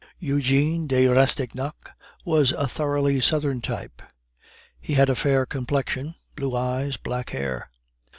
Eugene de Rastignac was a thoroughly southern type; he had a fair complexion, blue eyes, black hair.